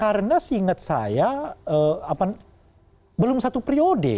karena seingat saya belum satu priode